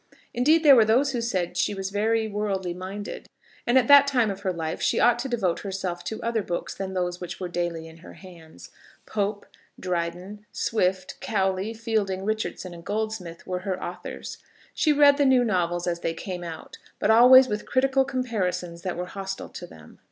Indeed, there were those who said that she was very worldly minded, and that at her time of life she ought to devote herself to other books than those which were daily in her hands. Pope, Dryden, Swift, Cowley, Fielding, Richardson, and Goldsmith, were her authors. She read the new novels as they came out, but always with critical comparisons that were hostile to them.